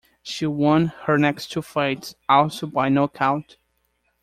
She won her next two fights, also by knockout.